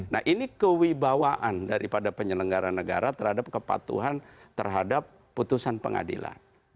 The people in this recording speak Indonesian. nah ini kewibawaan daripada penyelenggara negara terhadap kepatuhan terhadap putusan pengadilan